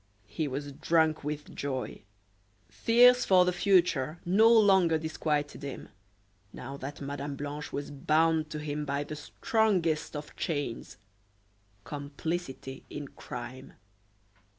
He was drunk with joy. Fears for the future no longer disquieted him, now that Mme. Blanche was bound to him by the strongest of chains complicity in crime.